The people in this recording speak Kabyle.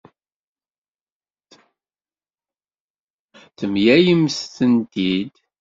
Temlalemt-tent-id?